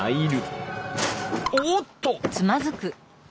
おっと！